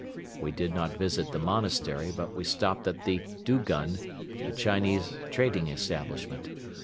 We did not visit the monastery but we stopped at the "Dugun," a Chinese trading establishment.